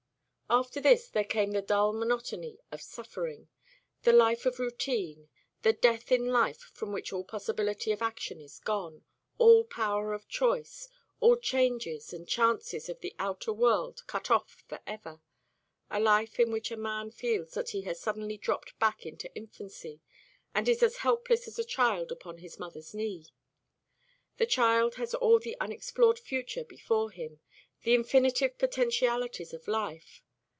After this there came the dull monotony of suffering the life of routine, that death in life from which all possibility of action is gone, all power of choice, all changes and chances of the outer world cut off for ever a life in which a man feels that he has suddenly dropped back into infancy, and is as helpless as a child upon his mother's knee. The child has all the unexplored future before him, the infinitive potentialities of life.